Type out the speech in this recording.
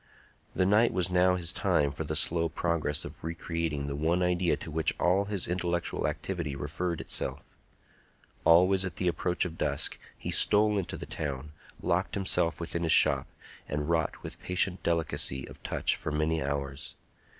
The night was now his time for the slow progress of re creating the one idea to which all his intellectual activity referred itself. Always at the approach of dusk he stole into the town, locked himself within his shop, and wrought with patient delicacy of touch for many hours.